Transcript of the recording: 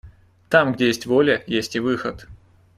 Там, где есть воля, есть и выход.